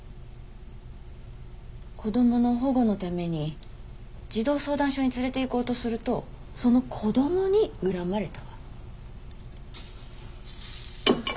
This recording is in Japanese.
子供の保護のために児童相談所に連れていこうとするとその子供に恨まれたわ。